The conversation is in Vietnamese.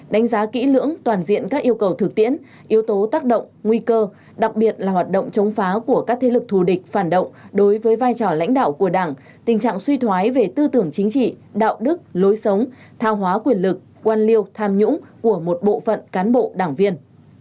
đánh giá kỹ lưỡng toàn diện các yêu cầu thực tiễn yếu tố tác động nguy cơ đặc biệt là hoạt động chống phá của các thế lực thù địch phản động đối với vai trò lãnh đạo của đảng tình trạng suy thoái về tư tưởng chính trị đạo đức lối sống thao hóa quyền lực quan liêu tham nhũng của một bộ phận cán bộ đảng viên